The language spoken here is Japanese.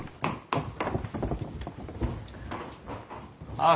ああ